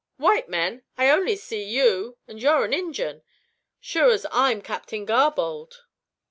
"White men; I see only one, and you're an Injin, sure as I'm Captain Garbold."